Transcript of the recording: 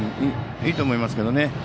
いいと思いますけどね。